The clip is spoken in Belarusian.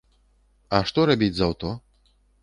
А што рабіць з аўто?